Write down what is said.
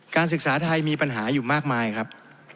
ศึกษาไทยมีปัญหาอยู่มากมายครับ